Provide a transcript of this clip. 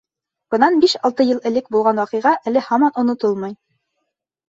Бынан биш-алты йыл элек булған ваҡиға әле һаман онотолмай.